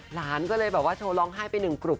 หลานก็เลยแบบว่าโชว์ร้องไห้ไปหนึ่งกลุ่ม